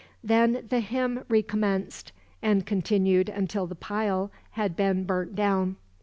Then the hymn recommenced, and continued until the pile had been burnt down.